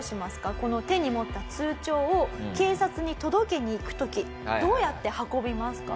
この手に持った通帳を警察に届けに行く時どうやって運びますか？